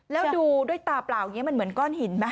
แล้วดูด้วยตาเปล่าอย่างนี้มันเหมือนก้อนหินไหม